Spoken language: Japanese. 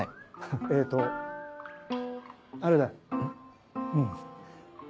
えっとあれだうん。